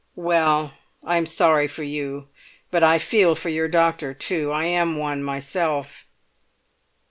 "Well, I'm sorry for you. But I feel for your doctor too. I am one myself."